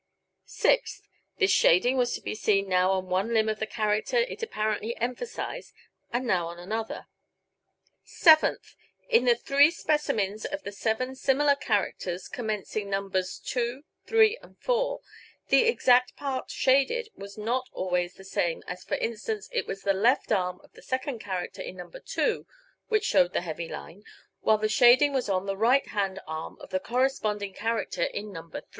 Sixth: This shading was to be seen now on one limb of the character it apparently emphasized and now on another. Seventh: In the three specimens of the seven similar characters commencing Nos. 2, 3 and 4, the exact part shaded was not always the same as for instance, it was the left arm of the second character in No. 2 which showed the heavy line, while the shading was on the right hand arm of the corresponding character in No. 3.